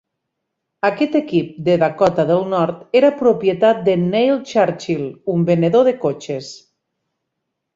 Aquest equip de Dakota del Nord era propietat de Neil Churchill, un venedor de cotxes.